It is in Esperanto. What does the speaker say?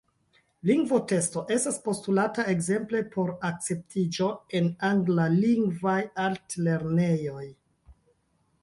Lingvo-testo estas postulata ekzemple por akceptiĝo en anglalingvaj altlernejoj.